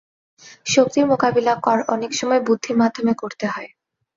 শক্তির মোকাবিলা অনেক সময় বুদ্ধির মাধ্যমে করতে হয়।